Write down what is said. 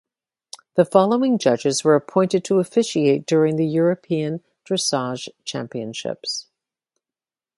The following judges were appointed to officiate during the European Dressage Championships.